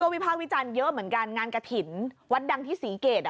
ก็มีภาควิจารณ์เยอะเหมือนกันงานกฐินวัดดังที่สีเกดอ่ะ